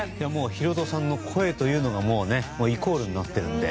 ヒロドさんの声というのがイコールになってるので。